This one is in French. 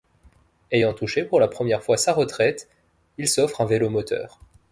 Ayant touché pour la première fois sa retraite, il s'offre un vélomoteur.